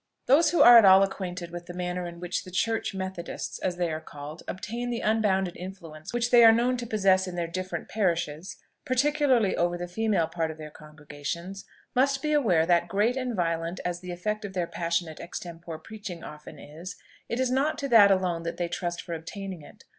Those who are at all acquainted with the manner in which the "Church Methodists," as they are called, obtain the unbounded influence which they are known to possess in their different parishes, particularly over the female part of their congregations, must be aware, that, great and violent as the effect of their passionate extempore preaching often is, it is not to that alone that they trust for obtaining it.